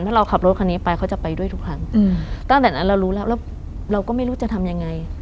ถ้าเราขับรถคันนี้ไปเขาจะไปด้วยทุกครั้งตั้งแต่นั้นเรารู้แล้วแล้วเราก็ไม่รู้จะทำยังไง